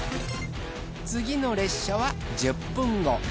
次の列車は１０分後。